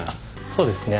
そうですね。